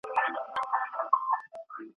ظاهر شاه د درملنې لپاره له هېواده وتلی و.